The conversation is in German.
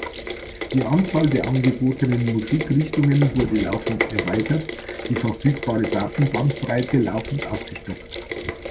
Die Anzahl der angebotenen Musikrichtungen wurde laufend erweitert, die verfügbare Daten-Bandbreite laufend aufgestockt.